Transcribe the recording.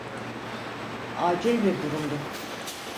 Acil bir durumdu.